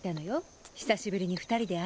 久しぶりに２人で会って。